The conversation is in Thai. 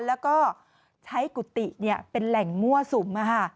แล้วก็ใช้กุฏิเป็นแหล่งมั่วสุม